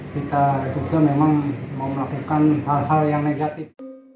kita sebetulnya memang mau melakukan hal hal yang negatif